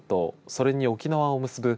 それに沖縄を結ぶ